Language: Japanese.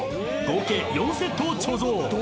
［合計４セットを貯蔵］